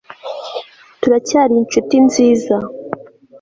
turacyari inshuti nziza